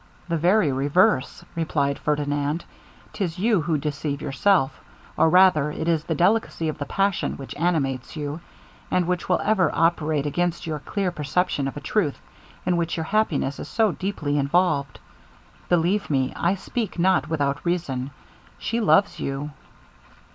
'The very reverse,' replied Ferdinand; 'tis you who deceive yourself, or rather it is the delicacy of the passion which animates you, and which will ever operate against your clear perception of a truth in which your happiness is so deeply involved. Believe me, I speak not without reason: she loves you.'